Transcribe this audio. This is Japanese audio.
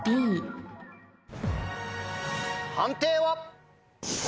判定は？